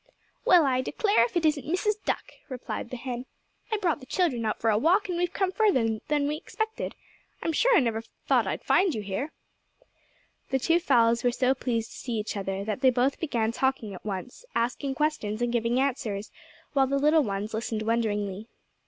"Well I declare if it isn't Mrs. Duck!" replied the hen. "I brought the children out for a walk, and we've come further than we expected. I'm sure I never thought I'd find you here." The two fowls were so pleased to see each other that they both began talking at once, asking questions, and givings answers, while the little ones listened wonderingly.